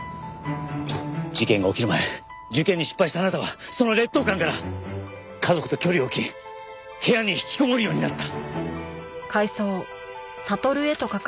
事件が起きる前受験に失敗したあなたはその劣等感から家族と距離を置き部屋に引きこもるようになった。